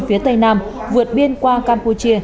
phía tây nam vượt biên qua campuchia